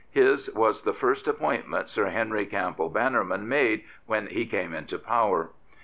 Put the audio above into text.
His was the first appointment Sir Henry CampbeD Bannerman made when he came into power.